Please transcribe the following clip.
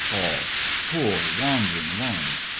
ALL: Poor wandering ones!